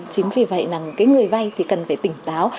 chính vì vậy là người vây thì cần phải tỉnh táo